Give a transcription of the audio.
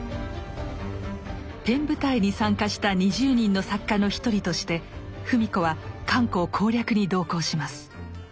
ペン部隊に参加した２０人の作家の一人として芙美子は漢口攻略に同行します。